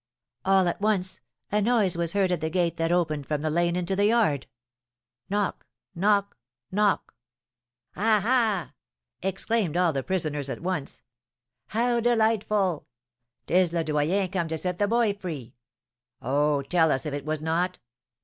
All at once a noise was heard at the gate that opened from the lane into the yard. Knock! knock! knock!" "Ha, ha!" exclaimed all the prisoners at once. "How delightful! 'Tis Le Doyen come to set the boy free! Oh, tell us if it was not!"